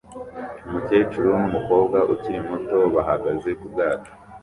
Umukecuru n'umukobwa ukiri muto bahagaze ku bwato